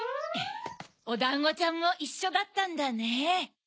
おだんごちゃんもいっしょだったんだね。